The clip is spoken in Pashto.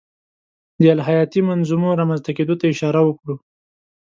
د الهیاتي منظومو رامنځته کېدو ته اشاره وکړو.